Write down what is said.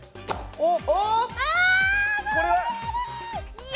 おっ！